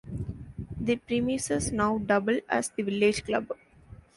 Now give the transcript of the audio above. The premises now double as the village club.